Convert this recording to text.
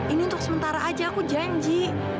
ini untuk sementara aja aku janji